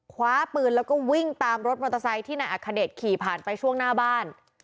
คว้าปืนแล้วก็วิ่งตามรถมอเตอร์ไซค์ที่นายอัคเดชขี่ผ่านไปช่วงหน้าบ้าน